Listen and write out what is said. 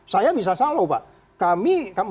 saya bisa salah pak